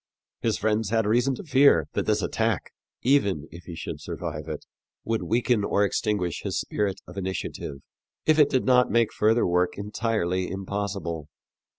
His friends had reason to fear that this attack, even if he should survive it, would weaken or extinguish his spirit of initiative, if it did not make further work entirely impossible.